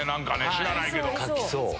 知らないけど。